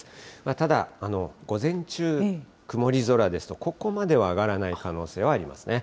ただ、午前中、曇り空ですと、ここまでは上がらない可能性はありますね。